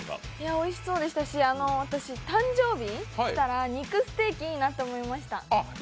おいしそうでしたし、私、誕生日来たら肉ステーキいいなと思いました。